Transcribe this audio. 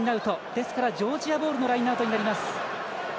ですから、ジョージアボールのラインアウトになります。